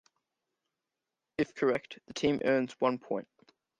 If correct, the team earns one point.